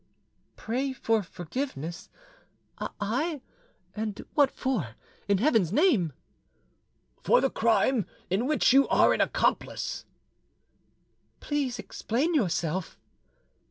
"Pray for forgiveness—I—! and what for, in Heaven's name?" "For the crime in which you are an accomplice." "Please explain yourself."